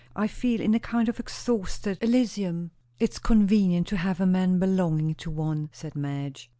I feel in a kind of exhausted Elysium!" "It's convenient to have a man belonging to one," said Madge.